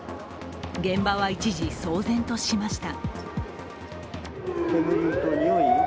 現場は一時、騒然としました。